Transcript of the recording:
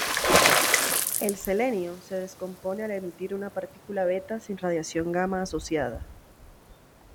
El Se se descompone al emitir una partícula beta sin radiación gamma asociada.